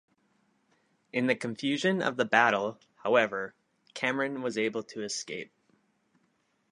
In the confusion of the battle, however, Cameron was able to escape.